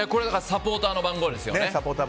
サポーターの番号ですよね。